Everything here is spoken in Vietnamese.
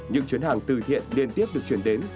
những chuyến hàng từ thiện liên tiếp được chuyển đến